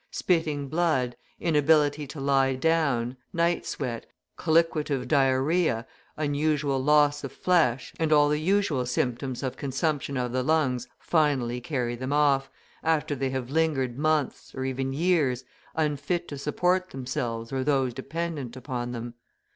Spitting blood, inability to lie down, night sweat, colliquative diarrhoea, unusual loss of flesh, and all the usual symptoms of consumption of the lungs finally carry them off, after they have lingered months, or even years, unfit to support themselves or those dependent upon them.